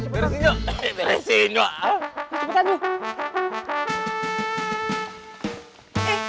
beresin dong beresin dong